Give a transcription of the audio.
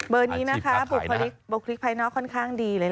เบอร์นี้นะคะบุคลิกไพนอล์ค่อนข้างดีเลยล่ะ